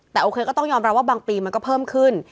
แต่โอเคก็ต้องยอมรับว่าบางปีมันก็เพิ่มขึ้น